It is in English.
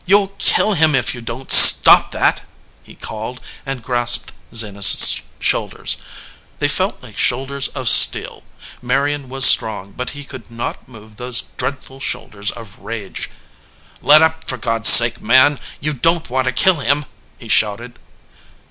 "You ll kill him if you don t stop that!" he called, and grasped Zenas s shoulders. They felt like shoulders of steel. Marion was strong, but he could not move those dreadful shoulders of rage. "Let up, for God s sake, man! You don t want to kill him !" he shouted.